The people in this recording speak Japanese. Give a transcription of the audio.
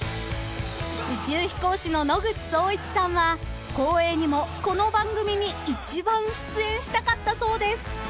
［宇宙飛行士の野口聡一さんは光栄にもこの番組に一番出演したかったそうです］